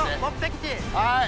はい。